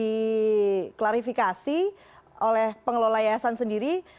diklarifikasi oleh pengelola yayasan sendiri